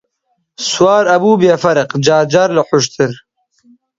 سوار ئەبوو بێ فەرق، جار لە جار خۆشتر